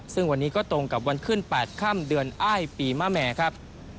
ซึ่งวันนี้ก็ตรงกับวันขึ้น๘ค่ำเดือนอ้ายปีมะแม่ครับ